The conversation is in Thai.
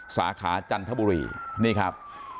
สาขาจันทบุรีนี่ครับ